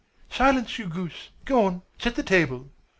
"Silence, you goose. Go on, set the table."